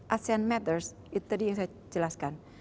asean matters itu tadi yang saya jelaskan